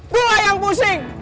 gua yang pusing